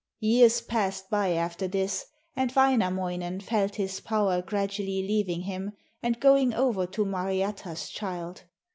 Years passed by after this, and Wainamoinen felt his power gradually leaving him and going over to Mariatta's child.